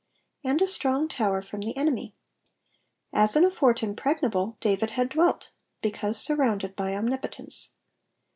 ^^And a strong tower from the euefny,^' As in a fort impregnable, David had dwelt, because surrounded by omnipotence.